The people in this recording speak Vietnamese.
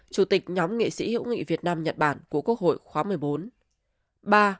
chủ tịch nhóm nghị sĩ hữu nghị việt nam nhật bản của quốc hội khóa một mươi bốn